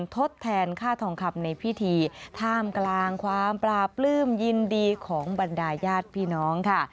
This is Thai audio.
ทดแทนค่าทองคำในพิธีท่ามกลางความปลาปลื้มยินดีของบรรดาญาติพี่น้องค่ะ